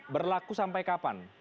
berlaku sampai kapan